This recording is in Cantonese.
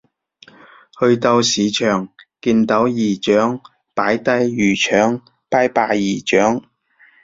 去到市場見到姨丈擺低魚腸拜拜姨丈